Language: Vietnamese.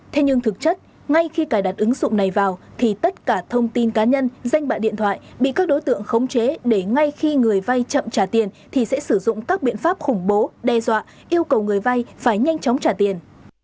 thế nhưng thực chất ngay khi cài đặt ứng dụng này vào thì tất cả thông tin cá nhân danh bạ điện thoại bị các đối tượng khống chế để ngay khi người vay chậm trả tiền thì sẽ sử dụng các biện pháp khủng bố đe dọa yêu cầu người vay phải nhanh chóng trả tiền